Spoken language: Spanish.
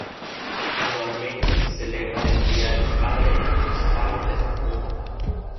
Anualmente se celebra el Día del Padre en muchas partes del mundo.